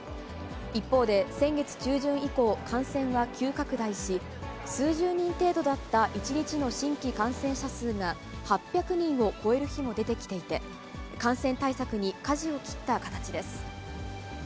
一方で、先月中旬以降、感染は急拡大し、数十人程度だった１日の新規感染者数が、８００人を超える日も出てきていて、感染対策にかじを切った形です。